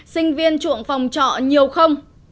sinh viên truộng phòng trọ nhiều không